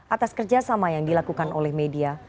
atas kerjasama yang dilakukan oleh media